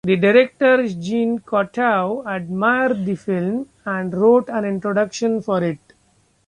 The director Jean Cocteau admired the film, and wrote an introduction for it.